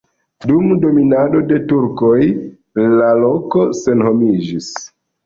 Dum dominado de turkoj la loko senhomiĝis.